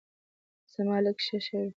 زما لیک ښه شوی.